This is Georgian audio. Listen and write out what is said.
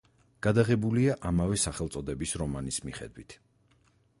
გადაღებულია ამავე სახელწოდების რომანის მიხედვით.